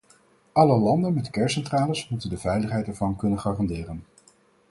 Alle landen met kerncentrales moeten de veiligheid ervan kunnen garanderen.